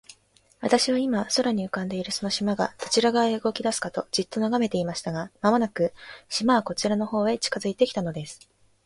私は、今、空に浮んでいるその島が、どちら側へ動きだすかと、じっと眺めていました。が、間もなく、島はこちらの方へ近づいて来たのです。